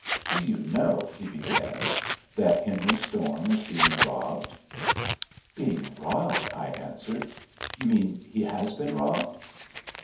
"Do you know," he began, "that Henry Storm is being robbed?" "Being robbed?" I answered; "you mean he has been robbed."